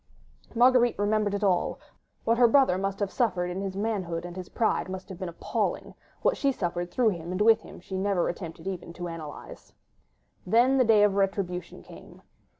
Marguerite remembered it all: what her brother must have suffered in his manhood and his pride must have been appalling; what she suffered through him and with him she never attempted even to analyse. Then the day of retribution came.